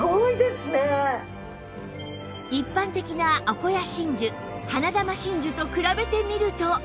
一般的なアコヤ真珠花珠真珠と比べてみると